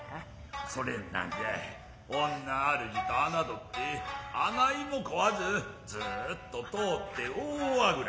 それになんじゃい女主じとあなどって案内もこわずずっと通って大あぐら。